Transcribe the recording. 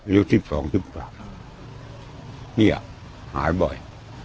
เร็วสิบสองสิบสามนี่อ่ะหายบ่อย